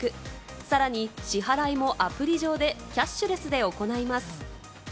さらに支払いもアプリ上でキャッシュレスで行います。